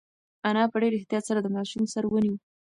انا په ډېر احتیاط سره د ماشوم سر ونیو.